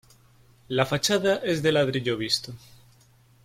La fachada es de ladrillo visto.